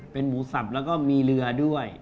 เป็นหมูสับแล้วก็มีเรือด้วย